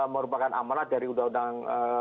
merupakan amanat dari undang undang